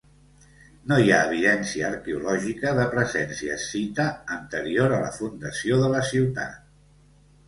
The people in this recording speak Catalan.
No hi ha evidència arqueològica de presència escita anterior a la fundació de la ciutat.